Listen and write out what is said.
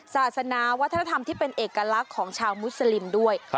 ศาสนาวัฒนธรรมที่เป็นเอกลักษณ์ของชาวมุสลิมด้วย